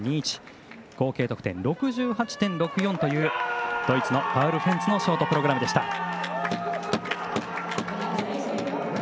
合計得点６８．６４というドイツのパウル・フェンツのショートプログラムでした。